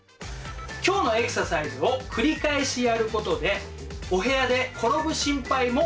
今日のエクササイズを繰り返しやることでお部屋で転ぶ心配も少なくなります。